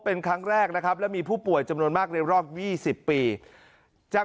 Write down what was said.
เป็นครั้งแรกนะครับแล้วมีผู้ป่วยจำนวนมากในรอบ๒๐ปีจาก